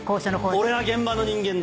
俺は現場の人間だ。